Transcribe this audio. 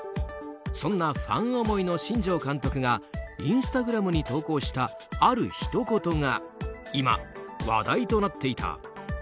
そんなファン思いの新庄監督がインスタグラムに投稿したあるひと言が今、話題となっていた。